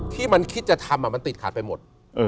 ที่มันคิดจะทำมันติดขัดไปหมด